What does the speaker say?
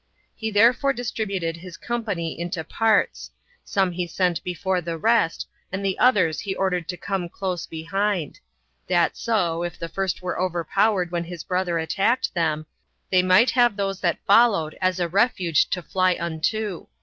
He therefore distributed his company into parts; some he sent before the rest, and the others he ordered to come close behind, that so, if the first were overpowered when his brother attacked them, they might have those that followed as a refuge to fly unto.